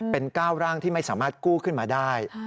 เป็น๙ร่างที่ไม่สามารถกู้ขึ้นมาได้